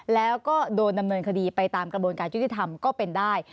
แล้วก็โดนดำเนินคดีไปตามกระบวนการยุติธรรมก็เป็นได้